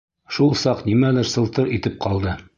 Шул саҡ нимәлер сылтыр итеп ҡалды.